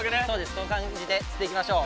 その感じで釣っていきましょう。